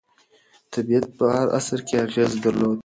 طبیعت په هر عصر کې اغېز درلود.